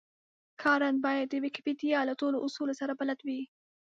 کارن بايد د ويکيپېډيا له ټولو اصولو سره بلد وي.